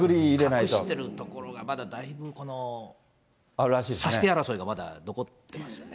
隠してるところがまだだいぶ、察して争いがまだありますね。